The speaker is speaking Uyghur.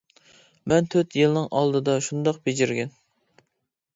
مەن تۆت يىلنىڭ ئالدىدا شۇنداق بېجىرگەن.